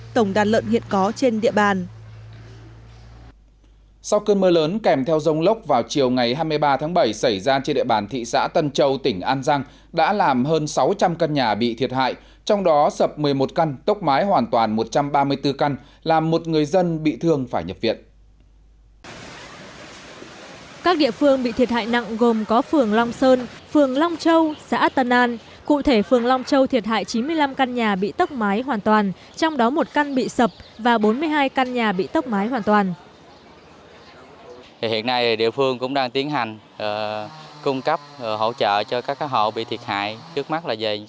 hai mươi tổng đàn lợn hiện có trên địa bàn sau cơn mưa lớn kèm theo rông lốc vào